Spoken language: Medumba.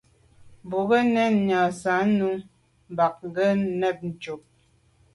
Bwɔ́ŋkə́ʼ kɔ̌ nə̀ nyǎŋsá nú mbàŋ rə̌ nə̀tùp.